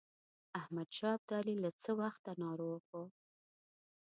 احمدشاه ابدالي له څه وخته ناروغ وو.